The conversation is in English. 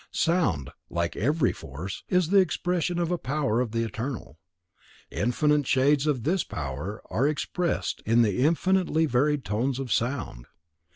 Sound, like every force, is the expression of a power of the Eternal. Infinite shades of this power are expressed in the infinitely varied tones of sound.